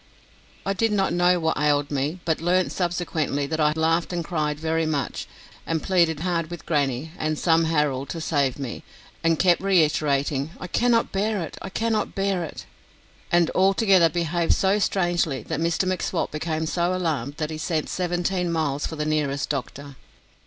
I did not know what ailed me, but learnt subsequently that I laughed and cried very much, and pleaded hard with grannie and some Harold to save me, and kept reiterating, "I cannot bear it, I cannot bear it," and altogether behaved so strangely that Mr M'Swat became so alarmed that he sent seventeen miles for the nearest doctor.